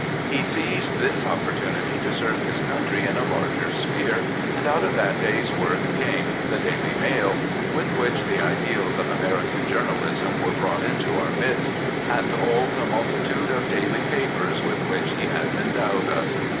He seized this opportunity to serve his country in a larger sphere, and out of that day's work came the Daily Mail, with which the ideals of American journal ism were brought into our midst, and all the multi tude of daily papers with which he has endowed us.